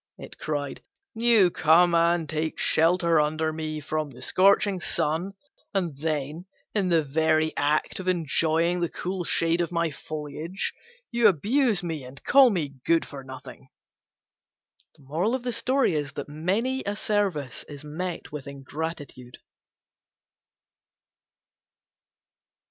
it cried: "you come and take shelter under me from the scorching sun, and then, in the very act of enjoying the cool shade of my foliage, you abuse me and call me good for nothing!" Many a service is met with ingratitude.